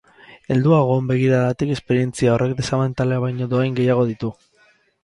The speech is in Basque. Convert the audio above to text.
Helduagoon begiradatik, esperientzia horrek desabantaila baino dohain gehiago ditu.